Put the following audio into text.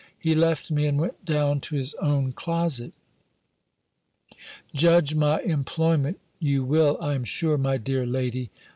He left me, and went down to his own closet. Judge my employment you will, I am sure, my dear lady.